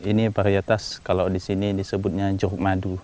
ini varietas kalau di sini disebutnya johok madu